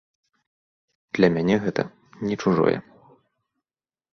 Для мяне гэта не чужое.